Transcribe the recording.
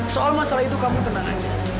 soal masalah itu kamu tenang aja